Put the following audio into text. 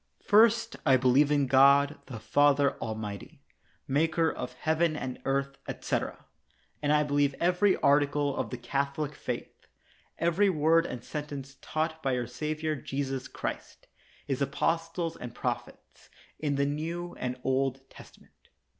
First, I believe in God the Father Almighty, maker of heaven and earth, etc. And I believe every article of the Catholic faith, every word and sentence taught by our Savior Jesus Christ, His apostles and prophets, in the New and Old Testament.